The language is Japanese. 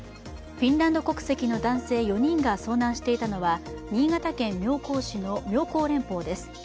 フィンランド国籍の男性４人が遭難していたのは新潟県妙高市の妙高連峰です。